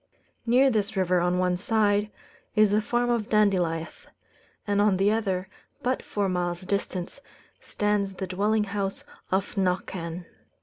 Near this river, on one side, is the farm of Dandilieth; and on the other, but four miles distant, stands the dwelling house of Knockan.